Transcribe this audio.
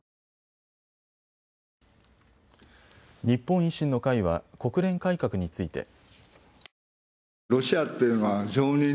日本維新の会は国連改革について。